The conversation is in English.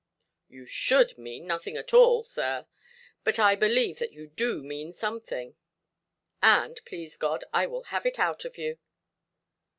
"You should mean nothing at all, sir. But I believe that you do mean something. And, please God, I will have it out of you".